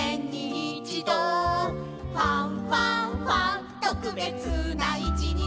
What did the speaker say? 「ファンファンファン特別な一日」